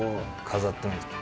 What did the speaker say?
飾っても。